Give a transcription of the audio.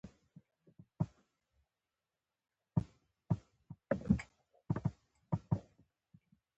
د اتمې ناحیې اړوند د ستانکزي له څلورلارې